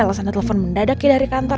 alesan telepon mendadak ya dari kantor